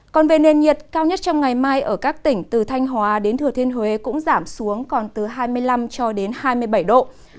còn về nền nhiệt cao nhất trong ngày mai ở các tỉnh từ thanh hóa đến thừa thiên huế cũng giảm xuống còn từ hai mươi năm cho đến hai mươi bảy độ